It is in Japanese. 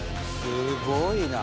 すごいな。